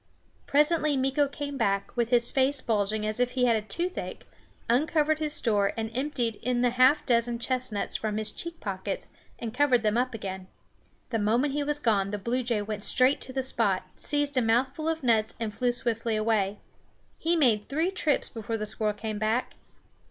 Presently Meeko came back, with his face bulging as if he had toothache, uncovered his store, emptied in the half dozen chestnuts from his cheek pockets and covered them all up again. The moment he was gone the blue jay went straight to the spot, seized a mouthful of nuts and flew swiftly away. He made three trips before the squirrel came back.